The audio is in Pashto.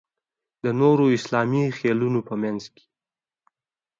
د نورو اسلامي خېلونو په منځ کې.